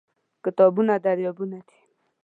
کتابونه دریابونه دي.